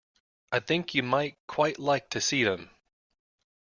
I think you might quite like to see them.